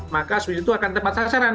maka swis itu akan tepat sasaran